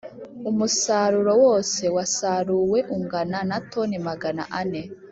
Umusaruro wose wasaruwe ungana na toni Magana ane